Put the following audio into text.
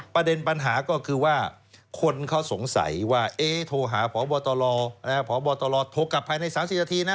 ประเด็นปัญหาก็คือว่าคนเขาสงสัยว่าโทรหาพบตลโทรกลับภายใน๓๐นาทีนะ